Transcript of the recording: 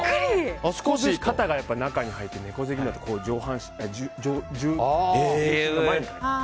少し肩が中に入って猫背気味だと上半身が前に来ます。